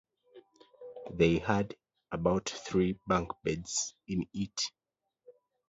They had about three bunk beds in it.